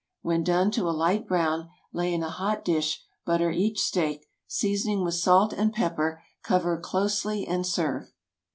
When done to a light brown, lay in a hot dish, butter each steak, seasoning with salt and pepper, cover closely, and serve.